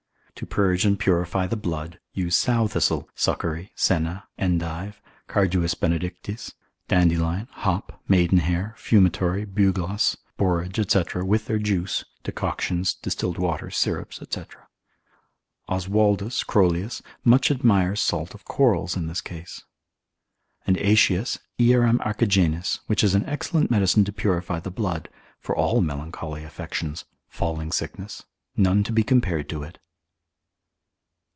To purge and purify the blood, use sowthistle, succory, senna, endive, carduus benedictus, dandelion, hop, maidenhair, fumitory, bugloss, borage, &c., with their juice, decoctions, distilled waters, syrups, &c. Oswaldus, Crollius, basil Chym. much admires salt of corals in this case, and Aetius, tetrabib. ser. 2. cap. 114. Hieram Archigenis, which is an excellent medicine to purify the blood, for all melancholy affections, falling sickness, none to be compared to it.